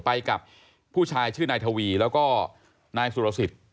ไปกับผู้ชายชื่อนายทวีแล้วก็นายสุรสิทธิ์